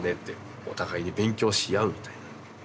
お互いに勉強し合うみたいな。